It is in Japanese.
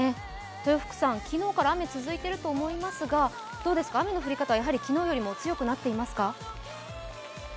豊福さん、昨日から雨続いていると思いますが雨の降り方は昨日よりも強くなっていますか？